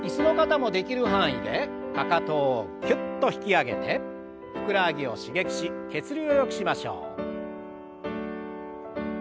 かかとをキュッと引き上げてふくらはぎを刺激し血流をよくしましょう。